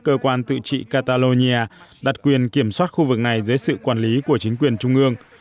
tự trị catalonia đặt quyền kiểm soát khu vực này dưới sự quản lý của chính quyền trung ương